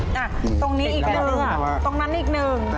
ตรงนี้อีกนึงอะตรงนั้นอีกนึง